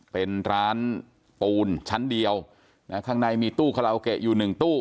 เป็นร้านปูนชั้นเดียวนะข้างในมีตู้คาราโอเกะอยู่หนึ่งตู้